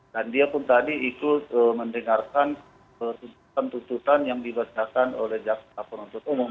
dan dia pun tadi ikut mendengarkan tuntutan tuntutan yang dibacakan oleh jpu